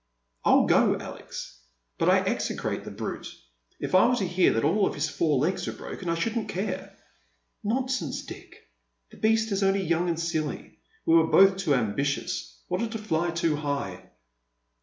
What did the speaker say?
" 111 go, Alex. But I execrate the brute. If I were to hear that all his four legs were broken I shouldn't care." "Nonsense, Dick! The beast is only young and silly. "VTe were both too ambitions — wanted to fly too high."